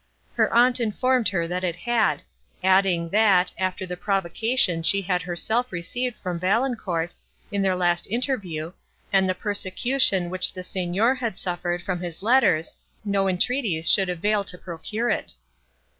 Her aunt informed her that it had, adding, that, after the provocation she had herself received from Valancourt, in their last interview, and the persecution, which the Signor had suffered from his letters, no entreaties should avail to procure it.